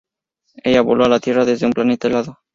Ella voló a la Tierra desde un planeta helado.